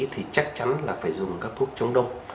thì chắc chắn là phải dùng các thuốc chống đông